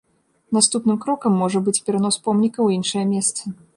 Наступным крокам можа быць перанос помніка ў іншае месца.